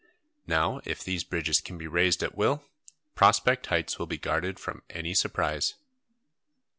Now, if these bridges can be raised at will, Prospect Heights will be guarded from any surprise."